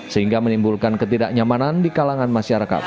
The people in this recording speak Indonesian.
sehingga menimbulkan ketidaknyamanan di kalangan masyarakat